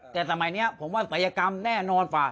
แต่สมัยนี้ผมว่าสัยกรรมแน่นอนหรอกเปล่า